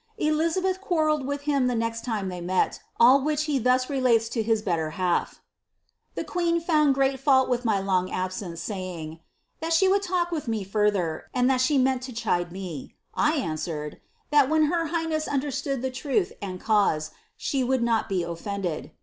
^' Eliza quarrellod with him the next time they met; all which he thus es to his better half: ^'The queen found great fault with my long nc«« saying, ^ that she would talk with me further, and that she at to chide me.' I answered, ^ that when her highness understood truth and cause, she would not be offended.'